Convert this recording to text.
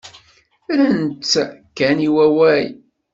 Rran-tt kan i wawal.